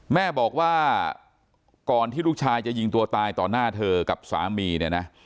แม่บอกว่าก่อนที่ลูกชายจะยิงตัวตายต่อหน้าเธอกับสามีเนี่ยนะ